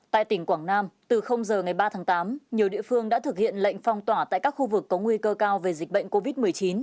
tại tỉnh quảng nam từ giờ ngày ba tháng tám nhiều địa phương đã thực hiện lệnh phong tỏa tại các khu vực có nguy cơ cao về dịch bệnh covid một mươi chín